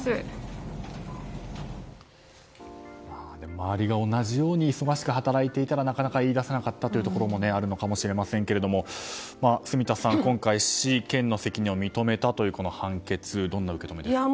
周りが同じように忙しく働いていたらなかなか言い出せなかったところもあるかもしれませんが住田さん、今回は市、県の責任を認めたという判決どんな受け止めですか？